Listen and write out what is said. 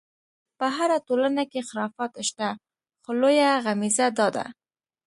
په هره ټولنه کې خرافات شته، خو لویه غمیزه دا ده.